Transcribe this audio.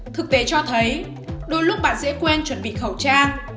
thực tế cho thấy đôi lúc bạn dễ quen chuẩn bị khẩu trang